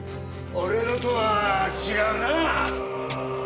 俺のとは違うなぁ。